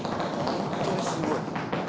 本当にすごい。